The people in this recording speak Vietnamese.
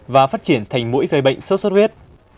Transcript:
và phát triển thành mũi gây bệnh xuất xuất huyết